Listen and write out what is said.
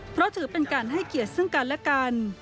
เพราะถือเป็นการให้เกียรติซึ่งกันและกัน